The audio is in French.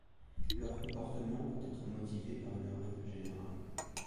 Leur comportement peut être motivé par une règle générale.